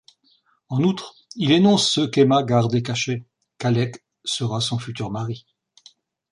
En outre, il énonce ce qu'Emma gardait caché, qu'Alec sera son futur mari.